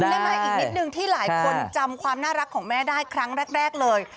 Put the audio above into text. ได้ไหมอีกนิดนึงที่หลายคนจำความน่ารักของแม่ได้ครั้งแรกเลย